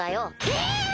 え！